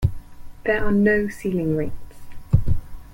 There are no ceiling rates.